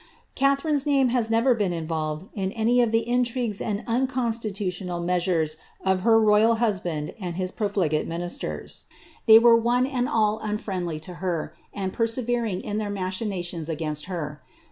itharine's name has never been involved in any of the intrigues and •natitutional measures of her royal husband and his profligate minis They were one and all unfriendly to her, and persevering in their linations against her.